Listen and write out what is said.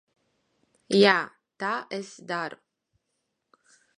Jā, tā es daru.